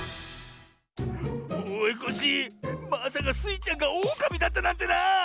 おいコッシーまさかスイちゃんがオオカミだったなんてな！